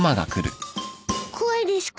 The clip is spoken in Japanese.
怖いですか？